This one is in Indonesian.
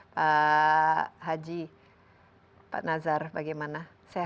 pak haji pak nazar bagaimana